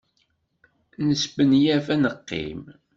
Nesmenyaf ad neqqim.